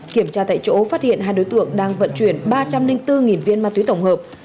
kiểm tra tại chỗ phát hiện hai đối tượng đang vận chuyển ba trăm linh bốn viên ma túy tổng hợp